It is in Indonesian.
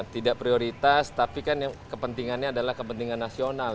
tidak prioritas tapi kan yang kepentingannya adalah kepentingan nasional